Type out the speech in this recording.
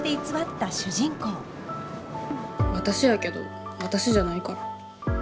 私やけど私じゃないから。